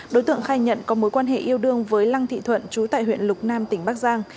đối tượng khai nhận có mối quan hệ yêu đương với lăng thị thuận trú tại huyện lục nam tỉnh bắc giang